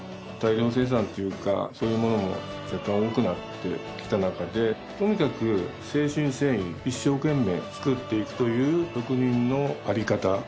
大量生産というかそういうものも若干多くなってきたなかでとにかく誠心誠意一生懸命作っていくという職人のあり方。